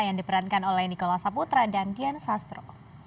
yang diperankan oleh nikola saputra dan dian sastro